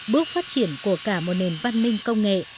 bước phát triển của cả một nền văn minh công nghệ